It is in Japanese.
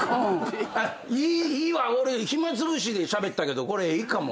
いいわ俺暇つぶしでしゃべったけどこれいいかも。